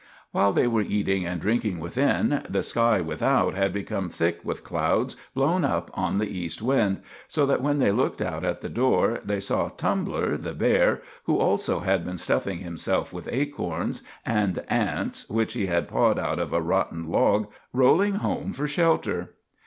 While they were eating and drinking within, the sky without had become thick with clouds blown up on the east wind, so that when they looked out at the door they saw Tumbler, the bear, who also had been stuffing himself with acorns, and ants which he had pawed out of a rotten log, rolling home for shelter.